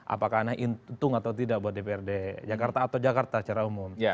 apakah karena itu untuk atau tidak buat dprd jakarta atau jakarta secara umum